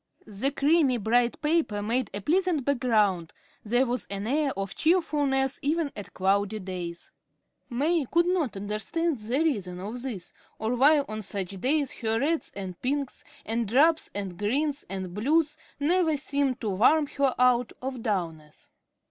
The creamy, bright paper made a pleasant background; there was an air of cheerfulness even on cloudy days. May could not understand the reason of this, or why on such days her reds and pinks and drabs and greens and blues never seemed to warm her out of dulness.